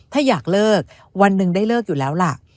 ถ้าอยากเลิกวันหนึ่งได้เลิกอยู่แล้วล่ะ